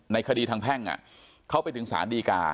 ในคดีทางแพ่งเข้าไปถึงสารดีกา